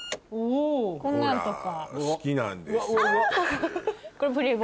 あとこんなんとか。